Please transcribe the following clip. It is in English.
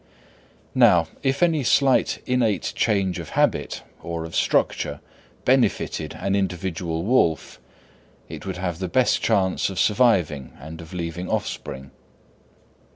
Now, if any slight innate change of habit or of structure benefited an individual wolf, it would have the best chance of surviving and of leaving offspring.